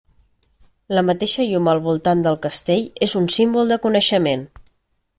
La mateixa llum al voltant del castell és un símbol del coneixement.